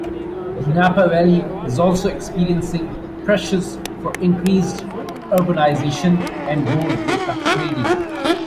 The Napa Valley is also experiencing pressures for increased urbanization and roadway upgrading.